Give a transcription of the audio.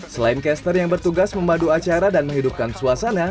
selain caster yang bertugas memadu acara dan menghidupkan suasana